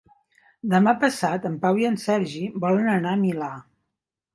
Demà passat en Pau i en Sergi volen anar al Milà.